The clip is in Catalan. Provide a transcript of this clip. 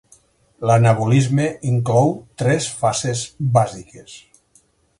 L'anabolisme inclou tres fases bàsiques.